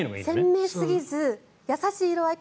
鮮明すぎず優しい色合い。